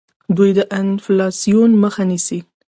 دوی د انفلاسیون مخه نیسي.